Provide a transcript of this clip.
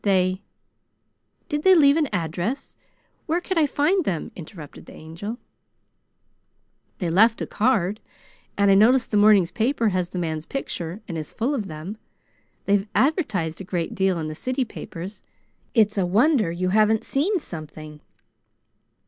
They " "Did they leave an address? Where could I find them?" interrupted the Angel. "They left a card, and I notice the morning paper has the man's picture and is full of them. They've advertised a great deal in the city papers. It's a wonder you haven't seen something."